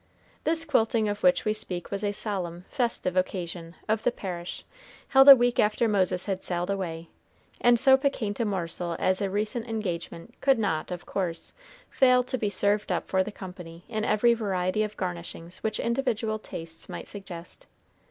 This quilting of which we speak was a solemn, festive occasion of the parish, held a week after Moses had sailed away; and so piquant a morsel as a recent engagement could not, of course, fail to be served up for the company in every variety of garnishing which individual tastes might suggest.